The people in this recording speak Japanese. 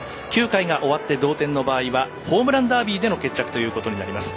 ９回が終わって同点の場合はホームランダービーでの決着となります。